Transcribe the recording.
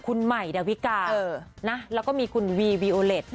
คุณใหม่ดาวิกาแล้วก็มีคุณวีวีโอเล็ต